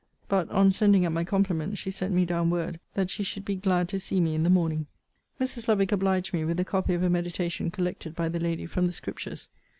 But, on sending up my compliments, she sent me down word that she should be glad to see me in the morning. Mrs. Lovick obliged me with the copy of a meditation collected by the lady from the Scriptures.